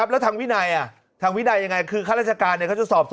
แล้วทางวินัยทางวินัยยังไง